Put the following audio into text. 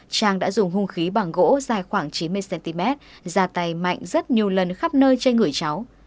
trang đã dùng hung khí bằng gỗ dài khoảng chín mươi cm ra tay mạnh rất nhiều lần khắp nơi trên người cháu